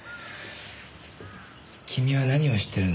君は何を知っているんだ？